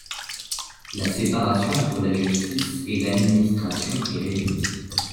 La séparation entre la justice et l'administration est réduite.